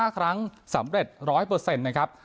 ๖๕ครั้งสำเร็จ๑๐๐เปอร์เซ็นต์นะครับ